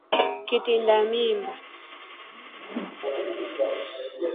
Kitinda mimba